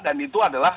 dan itu adalah